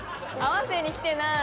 合わせにきてない。